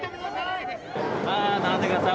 並んでください